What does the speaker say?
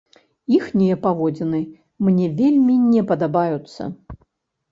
Іхнія паводзіны мне вельмі не падабаюцца.